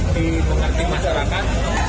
di mengerti masyarakat